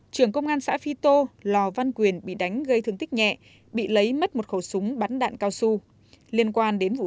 trường công an xã phi tô lò văn quyền bị đánh gây thương tích nhẹ bị lấy mất một khẩu súng bắn đạn cao su